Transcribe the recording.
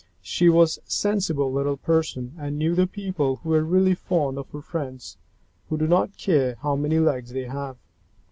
She was a sensible little person and knew that people who are really fond of their friends do not care how many legs they have.